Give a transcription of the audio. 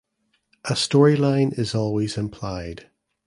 A story line is always implied.